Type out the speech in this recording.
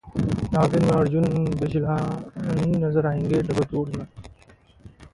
'नागिन' में अर्जुन बिजलानी नजर आएंगे डबल रोल में